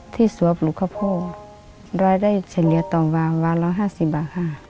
ที่สวบปลูกเข้าโผล่เราได้เฉลี่ยต่อวางวางละ๕๐บาทค่ะ